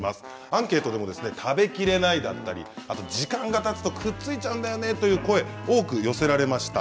アンケートでも食べきれないだったり、時間がたつとくっついちゃうんだよねという声が多く寄せられました。